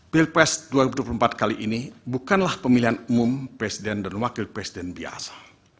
pilpres dua ribu dua puluh empat kali ini bukanlah pemilihan umum presiden dan wakil presiden biasa